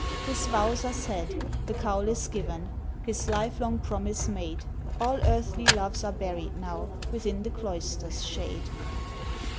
His vows are said—the Cowl is given, His live long promise made; All earthly loves are buried now, Within the Cloister's shade.